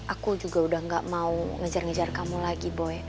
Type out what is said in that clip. aku juga udah gak mau ngejar ngejar kamu lagi boy